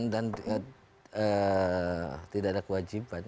dan tidak ada kewajiban